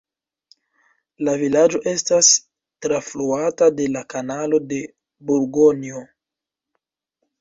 La vilaĝo estas trafluata de la kanalo de Burgonjo.